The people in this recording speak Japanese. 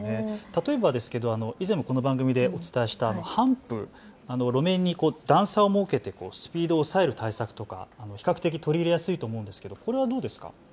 例えばですけど以前もこの番組でお伝えしたもハンプ、路面に段差を設けてスピードを抑える対策とか比較的取り入れやすいと思うんですけどこれはどうですか。